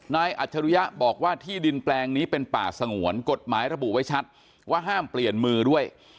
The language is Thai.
อัจฉริยะบอกว่าที่ดินแปลงนี้เป็นป่าสงวนกฎหมายระบุไว้ชัดว่าห้ามเปลี่ยนมือด้วย